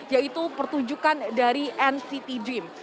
yaitu pertunjukan dari nct dream